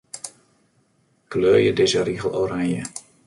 Kleurje dizze rigel oranje.